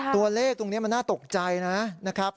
ตัวเลขตรงนี้มันน่าตกใจนะครับ